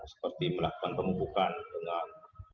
seperti melakukan pemupukan dengan